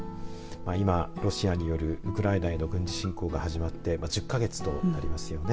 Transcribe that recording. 今ロシアによるウクライナの軍事侵攻が始まって１０か月となりますよね。